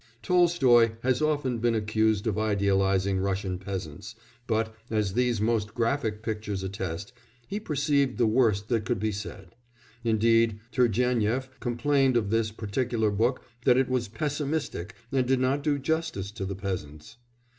Tolstoy has often been accused of idealising Russian peasants, but, as these most graphic pictures attest, he perceived the worst that could be said. Indeed Turgénief complained of this particular book that it was pessimistic and did not do justice to the peasants.